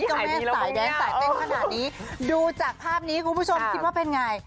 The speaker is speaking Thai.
เจ้าแม่สายแดนสายเต้นขนาดนี้ดูจากภาพนี้คุณผู้ชมคิดว่าเป็นไง